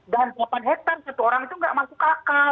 dan delapan hektare satu orang itu nggak masuk akal